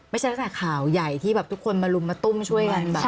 ตั้งแต่ข่าวใหญ่ที่แบบทุกคนมาลุมมาตุ้มช่วยกันแบบ